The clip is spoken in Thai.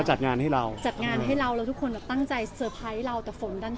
จัดงานให้เราทุกคนตั้งใจสะพายกับเราที่ฝนด้านตก